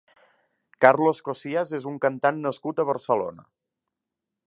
Carlos Cosías és un cantant nascut a Barcelona.